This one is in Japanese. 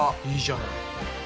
いいじゃない。